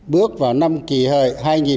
bước vào năm kỳ hợi hai nghìn một mươi chín